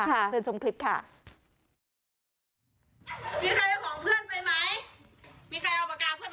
มีใครวางของเพื่อนไปมั้ย